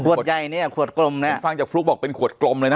ใหญ่เนี่ยขวดกลมนะฟังจากฟลุ๊กบอกเป็นขวดกลมเลยนะ